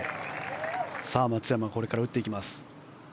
松山、これから打っていきます。